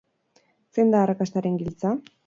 Zein da arrakastaren giltza?